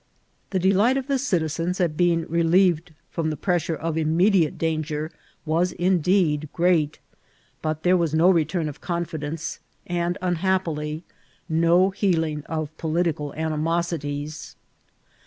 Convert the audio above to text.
The delight of the citizens at being relieved firom the pressure of immediate danger was indeed great, but there iras no return of confidence, and, unhsqppily^ no healing of political animosities.